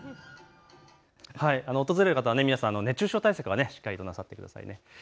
訪れる方、皆さん、熱中症対策はしっかりとなさってください。